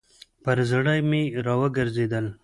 پر زړه مي راوګرځېدل .